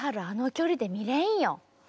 あの距離で見れんよ。